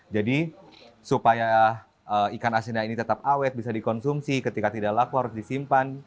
jadi supaya ikan asinnya ini tetap awet bisa dikonsumsi ketika tidak laku harus disimpan